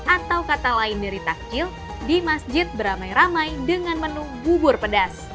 atau kata lain dari takjil di masjid beramai ramai dengan menu bubur pedas